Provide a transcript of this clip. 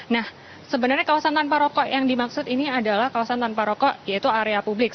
nah sebenarnya kawasan tanpa rokok yang dimaksud ini adalah kawasan tanpa rokok yaitu area publik